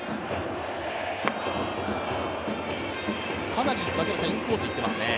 かなりインコースに行っていますね。